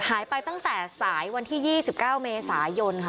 หายไปตั้งแต่สายวันที่๒๙เมษายนค่ะ